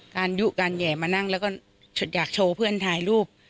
ยุการแห่มานั่งแล้วก็อยากโชว์เพื่อนถ่ายรูป